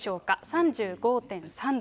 ３５．３度。